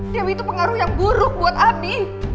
dewi itu pengaruh yang buruk buat abi